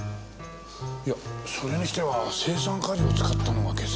いやそれにしては青酸カリを使ったのが解せないな。